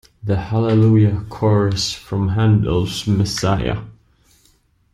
The Hallelujah Chorus from Handel's Messiah.